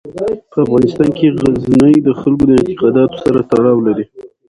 په افغانستان کې غزني د خلکو د اعتقاداتو سره تړاو لري.